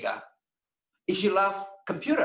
jika anda suka komputer